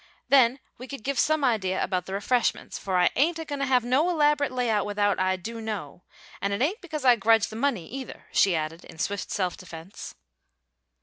"Then we could give some idea about the refreshments; for I ain't a goin' to have no elaborate layout without I do know; and it ain't because I grudge the money, either," she added, in swift self defence.